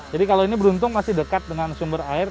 jadi kalau ini beruntung masih dekat dengan sumber air